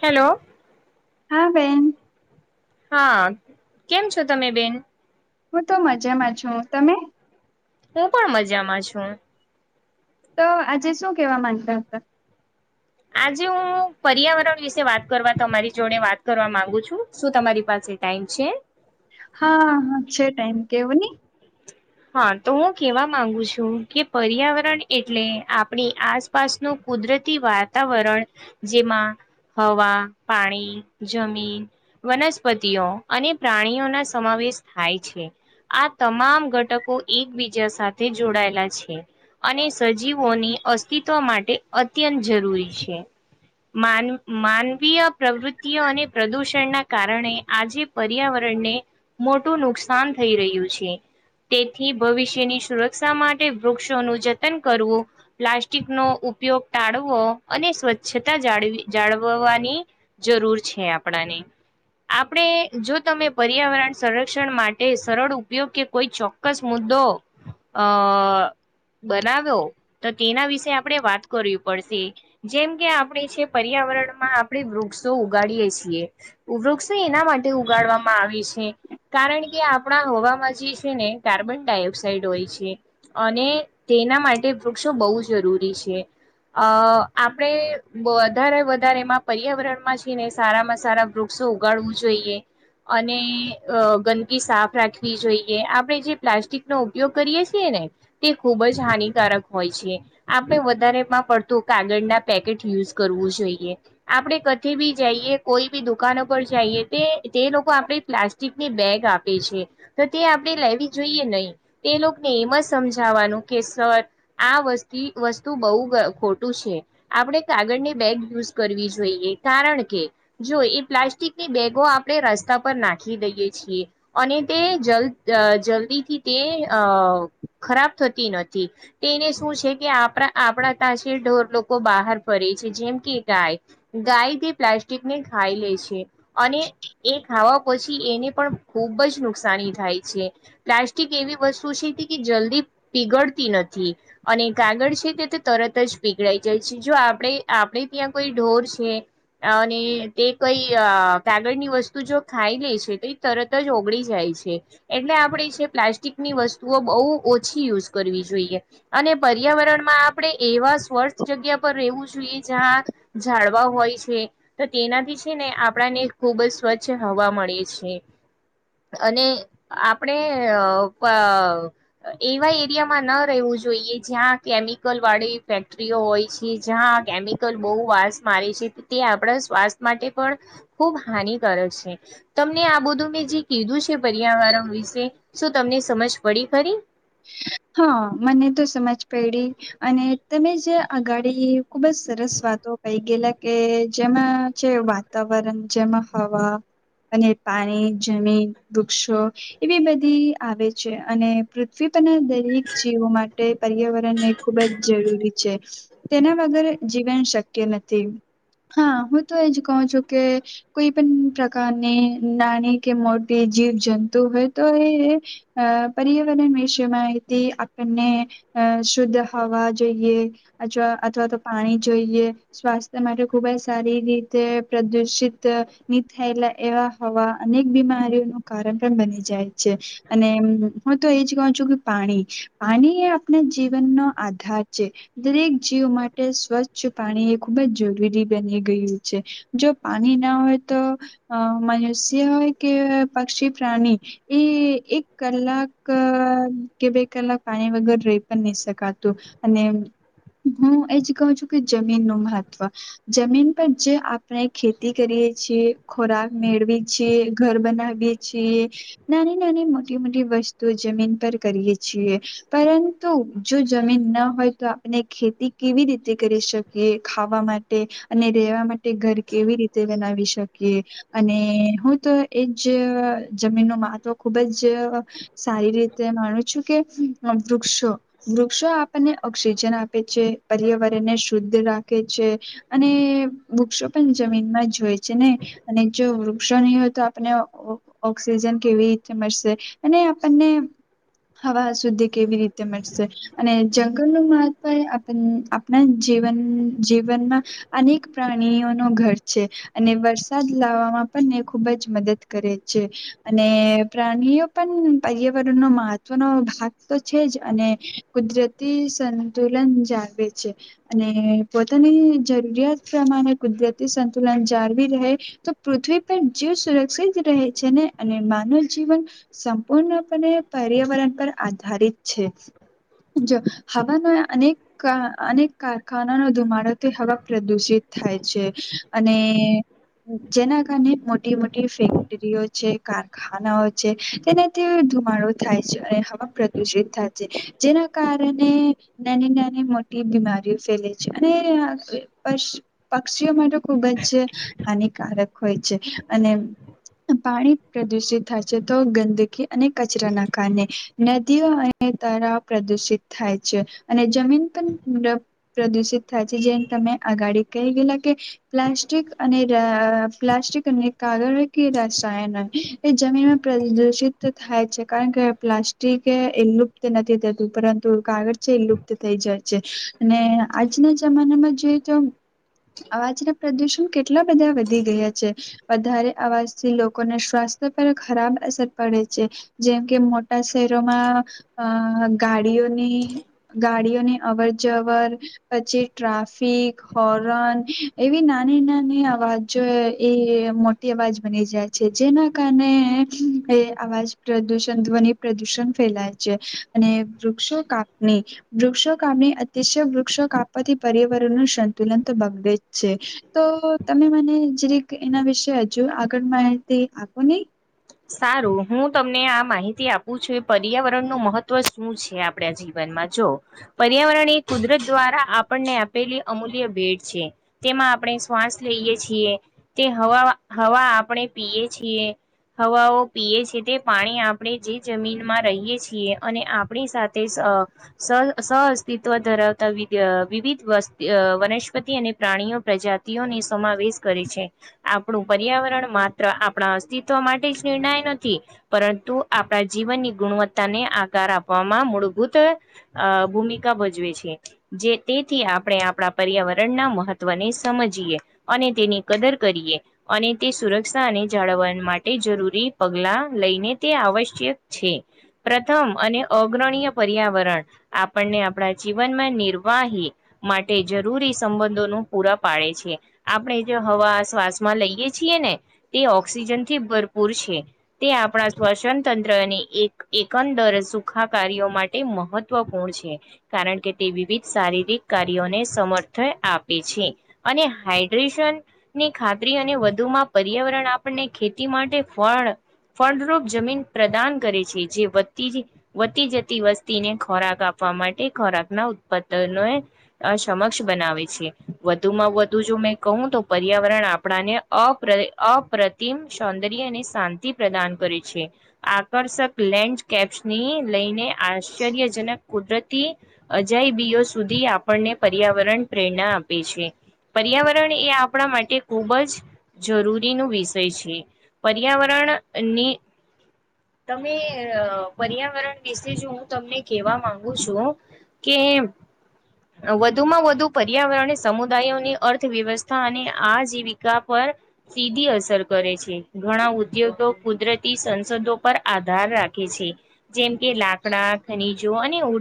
Hello. હા બેન. હા કેમ છો તમે બેન. હું તો મજામાં છું તમે. હું પણ મજામાં છું. તો આજે શું કેવા માંગતા હતા. આજે હું પર્યાવરણ વિશે વાત કરવા તમારી જોડે વાત કરવા માંગુ છું શું તમારી પાસે ટાઈમ. છે. હા હા છે ટાઈમ કેવો ને. હા તો હું કેવા માંગુ છું કે પર્યાવરણ એટલે આપણી આસપાસ નું કુદરત. વાતાવરણ જેમાં. હવા પાણી જમીન વનસ્પતિઓ અને પ્રાણીઓના સમાવે. શ થાય છે આ તમામ ઘટકો. એકબીજા સાથે જોડાયેલા છે અને સજીવોની અસ્તિત્વ માટે અ. અત્યંત જરૂરી છે. માન માનવીય પ્રવૃત્તિઓ અને પ્રદૂષણના કારણે આજે પર્યાવરણ. ને મોટું નુકસાન થઈ રહ્યું છે. તેથી ભવિષ્યની સુરક્ષા માટે વૃક્ષોનું જતન કરવું પ્લાસ્ટિક નો ઉપયો. યોગ ટાળવો અને સ્વચ્છતા જાડવિ જાળવવાની જરૂર છે આપણાને. આપણે જો તમે પર્યાવરણ સંરક્ષણ માટે સરળ ઉપયોગ કે કોઈ ચો. ચોક્કસ મુદ્દો અ. બનાવ્યો તો તેના વિશે આપણે વાત કરવી પડશે જેમ કે આપણે છે પર્યારણ. પર્યાવરણમાં આપણે વૃક્ષો ઉગાડીયે છીએ વૃક્ષો એના માટે ઉગાડવામાં આવે છે. કારણ કે આપણા હવામાં જે છે ને કાર્બન ડાયોક્સાઇડ હોય છે, અને તેના માટે વૃક્ષો બહુ જરૂરી છે. અ આપણે વધારે વધારે એમાં પર્યાવરણ માં જ છેને, સારામાં સારા વૃક્ષ ઉગાડવું જોઈએ, અને ગંદકી સાફ રાખવી જોઈએ. આપણે જે પ્લાસ્ટિક નો ઉપયોગ કરીએ છીએ ને, તે ખુબ જ હાનિકારક હોય છે. આપણે વધારેમાં વધુ પડતું કાગળ ના પેકેટ યુઝ કરવું જોઈએ. આપણે કદી બી જઈએ કોઈ બી દુકાન ઉપર જઈએ, તે લોકો આપણે પ્લાસ્ટિકની બેગ આપે છે, તો તે આપણે લેવી જોઈએ નહીં. એ લોકોને એમ જ સમજાવાનું કે, સર, આ વસતી વસ્તુ બહુ અ ખોટું છે, આપણે કાગળની બેગ યુઝ કરવી જોઈએ, કારણ કે જો એ પ્લાસ્ટિકની બેગો આપણે રસ્તા પર નાખી દઈએ છીએ, અને તે જ જ થી તે અ ખરાબ થતી નથી તેને શું છે કે આપડા, તા છે ઢોર લોકો. લોકો બહાર ફરે છે, અને જે ગાય ગાય છે એ પ્લાસ્ટિકને ખાઈ લે છે. એ ખાવા પછી એને પણ ખુબ જ નુકસાની થાય છે. પ્લાસ્ટિક એવી વસ્તુ છે કે જલ્દી પીગળતી નથી, અને કાગળ છે તે તે તર તરત જ પીગડાઈ જાય છે, જો આપણે આપણે ત્યાં કોઈ ઢોર છે. અને તે કંઈ કાગળની વસ્તુ જો ખાઈ લે છે, તો એ તરત જ ઓગળી જાય. એટલે આપણે પ્લાસ્ટિકની વસ્તુઓ બહુ ઓછી યુઝ કરવી જોઈએ અને પર્યાવરણમાં આપણે એ એવા સ્વર્થ જગ્યા પર રહેવું જોઈએ જ્યાં ઝાડવા હોય છે. તો તેનાથી છે ને. આપણને ખૂબ જ સ્વચ્છ હવા મળે છે અને આપણે એવા એરિયામાં ન રહેવું જોઈએ, જ્યાં કેમિકલ વાળી ફેક્ટરીઓ હોય છે, જ્યાં કેમિકલ બહુ વાસ મારે છે, તે આપણા સ્વાસ્થ્ય માટે પણ ખુબ હાનિકારક છે. તમને આ બધું મેં જે કીધું છે, પર્યાવરણ વિશે શું તમને સમજ પડી ફરી. હા, મને તો સમજ પડી. અને તમે જે આ ગાડી ખુબ જ સરસ વાત. તો કંઈ ગયેલા કે જેમાં છે વાતાવરણ, જેમાં હવા અને પાણી, જમીન, વૃક્ષો એવી બધી આવે છે અને પૃથ્વી પર દરેક જીવો માટે પર્યાવરણને ખુબ જ જરૂરી છે. તેના વગર જીવન શક્ય નથી. હા, હું તો એજ કહું છું કે કોઈ પણ પ્રકારની નાની કે મોટી જીવજંતુ હોય તો એ પર્યાવરણ વિષયમાં આપને અ શુદ્ધ હવા જોઈએ અથવા અથવા તો પાણી જોઈએ. સ્વાસ્થ્ય માટે ખુબ જ સારી રીતે પ્રદુષિત ની થયેલા એવા હવા. અનેક બીમારીઓનું કારણ પણ બની જાય છે, અને હું તો એજ કહુ છું. પાણી, પાણી એ આપણા જીવનનો આધાર છે. દરેક જીવ માટે સ્વચ્છ પાણી એ ખુબ જ જરૂરી બની ગયું છે. જો પાણી ના હોય તો પશુ હોય કે પક્ષી, પ્રાણી એ એક કલાક કે બે કલાક પાણી વગર રહી પણ નહી શકાતું, અને હું એ જ કહું છું કે જમીન નું મહત્વ, જમીન પર જે આપણે ખેતી કરીએ. ખોરાક મેળવી છે, ઘર બનાવીએ છીએ, નાની નાની, મોટી મોટી. વસ્તુ જમીન પર. કરીએ છીએ, પરંતુ જો જમીન ના હોય તો આપણે ખેતી કેવી રીતે કરી? શકીએ, ખાવા માટે અને રહેેવા માટે ઘર કેવી રીતે બનાવી શકીએ? અને હું તો એજ જમીન નુ મહત્વ ખુબ જ સારી રીતે માનું છું કે વૃક્ષો, વૃક્ષો આપણને ઓક્સિજન આપે છે, પર્યાવરણ શુદ્ધ રાખે છે, અને વૃક્ષો પણ જમીનમાં જોય છે ને અને. જો વૃક્ષો નહીં હોય તો આપને ઓક્સિજન કેવી રીતે મળશે, અને આપણને હવા સુધી કેવી રીતે મળશે, અને જંગલ નુ મહત્વ આપ આપણા જવન જીવનમાં અનેક પ્રાણીઓ ન ઘર છે, અને વરસાદ લાવવામાં ખુબ જ મદદ કરે છે, અને પ્રાણીઓ પણ પર્યાવરણ ન મહવનો ભાગ તો છે, જ અને કુદરતી સંતુલન જાળવે છે અને પોતાની જરૂરિયાત પ્રમાણે કુદરતી સંતુલન જાળવી રહે તો પૃથ્વી જીવ સુરક્ષિત રહે છે, ને અને માનવ જીવન સંપૂર્ણપણે પર્યાવરણ પર આધારિત છે, જો હવાનો અનેક અનેક કારખાનાનો ધુમાડોથી હવા પ્રદુષિત થાય છે, અને જેના કારણે મોટી મોટી ફેક્ટરીઓ છે, કારખાનાઓ છે તેનાથી ધુમાડો થાય છે, અને હવા પ્રદુષિત થાય છે જેના કારણે નાની નાની મોટી બીમારી ફેલે છે અને પક્ષીઓ માટે ખુબ જ હાનિકારક હોય છે, અને પાણી પ્રદુષિત થાય છે તો ગંદકી અને કચરા નાખ નદીઓ અને તરાાવ પ્રદુષિત થાય છે, અને જમીન પણ પ્રદુષિત થાય છે, જેને તમે આગાડી કહી ગયલા કે પ્લાસ્ટિક અને રા્ટ કાગળ કે રસાયણ એ જમીનમાં પ્રદુષિત થાય છે, કારણ કે પ્લાસ્ટિક એ લુપ્ત નથી થતું પરંતુ કાગજ છે એ લુપ્ત થઈ જાય છે. અને આજના જમાનામાં જોઈએ તો અવાજને પ્રદુષણ કેટલા બધા વધી ગયા છે, વધારે અવાજથી લોકોને શ્વાસ પર ખરાબ અસર પડે છે, જેમ કે મોટા શહેરોમાં અ ગાડીઓની ગાડીઓની અવર જવર પછી ટ્રાફિક હોર્ન એવી નાની નાની અવાજ એ મોટી અવાજ બની જાય છે જેના કારણે એ અવાજ પ્રદૂષણ ધ્વનિ પ્રદૂષણ ફેલાય છે, અને વૃક્ષો કાપની વૃક્ષો કાપ અતિશ વૃક્ષો કાપવાથી પર્યાવરણ ન સંતુલન તો બગડે જ છે, તો તમે જેરે એના વિશે હજુ આગળ માહિતી આપો નહી? સારું હું તમને આ માહિતી આપું છું, પર્યાવરણ નું મહત્વ શું છે આપડા જીવન માં જો પર્યાવરણ કુદરત દ્વારા આપણને આપેલી અમૂલ્ય ભેટ છે, તેમાં આપણે શ્વાસ લઈએ છીએ તે હવા હવા આપણે પીએ છીએ, હવાઓ પીએ છે તે પાણી આપણે જે જમીનમાં રહીએ છીએ, અને આપણી સાથે સઅસ્તિત્વ ધરાવતા વિવિધ વનસ્પતિ અને પ્રાણી પ્રજાતિઓ સમાવેશ કરે છે, આપણું પર્યાવરણ માત્ર આપણા અસ્તિતવ માટે જ નિર્ણય નથી, પરંતુ આપણા જીવનની ગુણવત્તા ને આકાર આપવામાં મૂળ ભૂમિકા ભજવે છે, જે તેથી આપણે આપણા પર્યાવરણના મહત્વને સમજીએ અને તેની કદર કરીએ, અને તે સુરક્ષા અને જાળવણ માટે જરૂરી પગલા લઈને તે આવશ્યક છે, પ્રથમ અને અગ્રણી્ય પર્યાવરણ આપણને આપણા જીવનમાં નિર્વાહી માટે જરૂરી સંબંધોનું પૂરા પાડે છે આપણે જે હવા શ્વાસ માં લઈએ છીએ, ને તે ઓક્સિજન થી ભરપૂર છે, તે આપણા શવસન તંત્રની એક એકંદર સુખા કાર્યો માટે મહત્વપૂર્ણ છે, કારણ કે તે વિવિધ શારીરિક કાર્યોને સમર્થન આપે અને હાઈડ્રેશન ની ખાતરી અને વધુમાં પર્યાવરણ આપણને ખેતી માટે ફળ ફળડરૂપ જમીન પ્રદાન કરે છે, જેતી વધતી જતી વસ્તીને ખોરાક આપે માટે ખોરાક ના ઉત્પાદનો એ સમક્ષ બનાવે છે, વધુ માં વધુ જો કહું તો પર્યાવરણ આપણાને અપ્રત અ સૌંદર્ય અને શાંતિ પ્રદાન કરે છે, આકર્ષક લેન્ડકેપ્સ ને લઈને આશ્ચર્યજનક કુદરત અજાયબીઓ સુધી આપણને પર્યાવરણ પ્રેરણા આપે છે, પર્યાવરણ એ આપણા માટે ખુબ જ જરૂરીનું વિષ છે પર્યાવરણની, તમે પર્યાવરણ વિશે જો હું તમને કેવા માંગુ છું કે એમ વધુમાં વધુ પર્યાવરણી સમુદાયોની અર્થવ્યવસ્થા અને આજીવિકા પર સીધી અસર કરે છે ઘણા ઉદ્યોગો કુદરતી સંસદો પર આધાર રાખે છે. જેમ કે લાકડા ખનીજો અને ઉર્જા